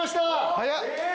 早っ！